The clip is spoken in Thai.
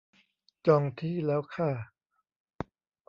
จองที่แล้วค่ะ